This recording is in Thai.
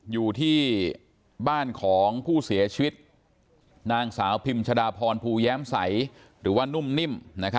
อยู่ที่บ้านของผู้เสียชีวิตนางสาวพิมชดาพรภูแย้มใสหรือว่านุ่มนิ่ม